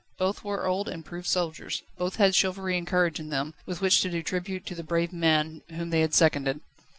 Both were old and proved soldiers, both had chivalry and courage in them, with which to do tribute to the brave man whom they had seconded.